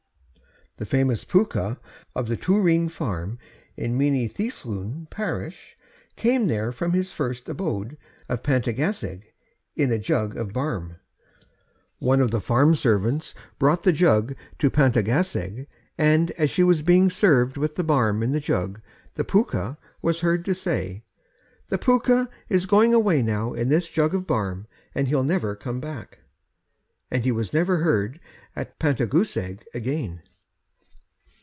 The famous Pwca of the Trwyn Farm, in Mynyddyslwyn parish, came there from his first abode, at Pantygasseg, in a jug of barm. One of the farm servants brought the jug to Pantygasseg, and as she was being served with the barm in the jug, the Pwca was heard to say, 'The Pwca is going away now in this jug of barm, and he'll never come back;' and he was never heard at Pantygasseg again.